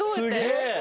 すげえ！